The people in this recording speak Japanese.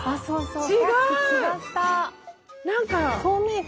そう。